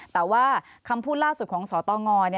แต่ว่าคำพูดล่าสุดของสตง